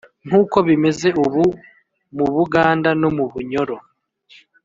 nkuko bimeze ubu mu buganda no mu bunyoro,